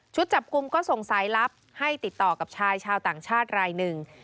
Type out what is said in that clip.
จับกลุ่มก็ส่งสายลับให้ติดต่อกับชายชาวต่างชาติรายหนึ่ง